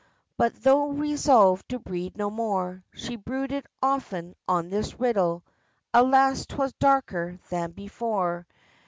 But though resolved to breed no more, She brooded often on this riddle Alas! 'twas darker than before!